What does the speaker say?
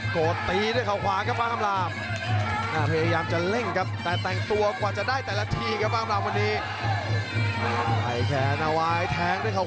พยายามจะตีเหน็บครับ